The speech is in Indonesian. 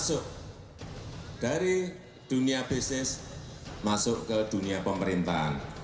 masuk dari dunia bisnis masuk ke dunia pemerintahan